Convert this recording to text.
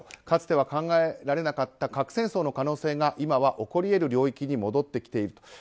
かつては考えられなかった核戦争の可能性が今は起こり得る領域に戻ってきている。